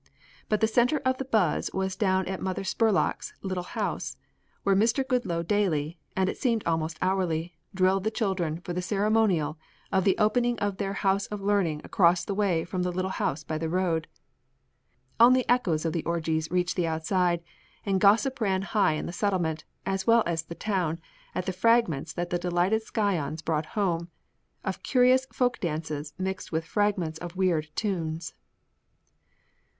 But the center of the buzz was down at Mother Spurlock's Little House, where Mr. Goodloe daily, and it seemed almost hourly, drilled the children for the ceremonial of the opening of their house of learning across the way from the Little House by the Road. Only echoes of the orgies reached the outside, and gossip ran high in the Settlement as well as the Town at the fragments that the delighted scions brought home, of curious folk dances mixed with fragments of weird tunes.